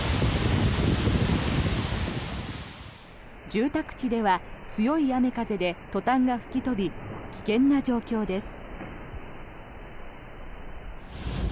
住宅地では強い雨、風でトタンが吹き飛び危険な状況です。